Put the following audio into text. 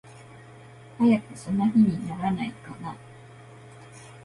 早くその日にならないかな。